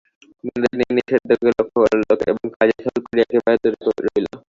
বিনোদিনী সেটুকু লক্ষ্য করিল এবং কাজের ছল করিয়া একেবারে দূরে রহিল।